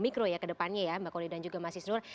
mikro ya ke depannya ya mbak kuli dan juga mas isnur